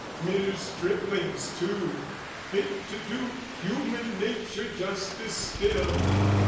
Mere striplings too, Fit to do human nature justice still!